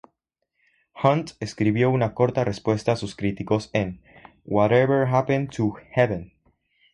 Hunt escribió una corta respuesta a sus críticos en "Whatever Happened to Heaven?